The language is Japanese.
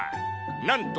なんと！